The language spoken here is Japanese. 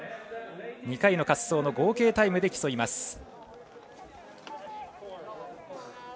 ２回の滑走の合計タイムで競います。